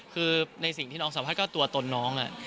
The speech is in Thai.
คือในสิ่งที่น้องสัมภาษณ์ตัวตนน้อง